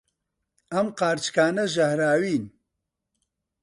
ئەم قارچکانە ژەهراوین.